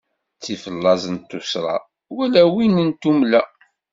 Ttif laẓ n tuṣṣra, wala win n tummla.